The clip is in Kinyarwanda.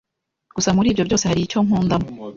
Gusa muri ibyo byose haricyo nkundamo